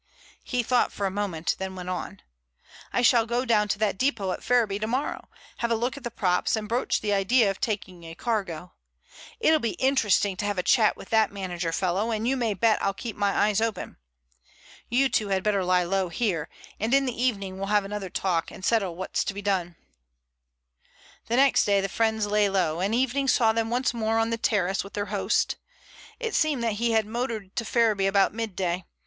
He thought for a moment, then went on: "I shall go down to that depot at Ferriby tomorrow, have a look at the props, and broach the idea of taking a cargo. It'll be interesting to have a chat with that manager fellow, and you may bet I'll keep my eyes open. You two had better lie low here, and in the evening we'll have another talk and settle what's to be done." The next day the friends "lay low," and evening saw them once more on the terrace with their host. It seemed that he had motored to Ferriby about midday.